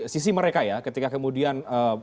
sisi mereka ya ketika kemudian